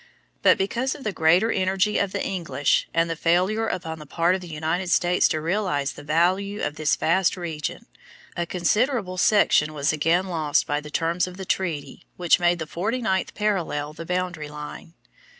But because of the greater energy of the English, and the failure upon the part of the United States to realize the value of this vast region, a considerable section was again lost by the terms of the treaty which made the forty ninth parallel the boundary line.